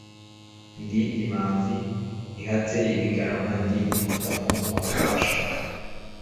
Ndi Manzi ihatse ibigarama. Ndi Mutamu wa Rwasha,